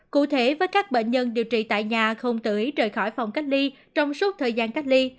cụ thể với các bệnh nhân điều trị tại nhà không tưởng rời khỏi phòng cách ly trong suốt thời gian cách ly